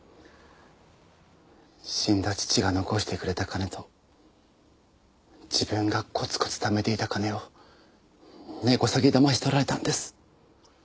死んだ父が残してくれた金と自分がコツコツ貯めていた金を根こそぎだまし取られたんです。